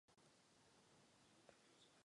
Má staršího bratra Davida.